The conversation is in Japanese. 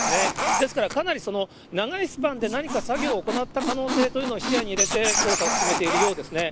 ですから、かなり長いスパンで、何か作業を行った可能性というのを視野に入れて、捜査を進めているようですね。